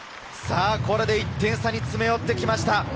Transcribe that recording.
これで１点差に詰め寄ってきました。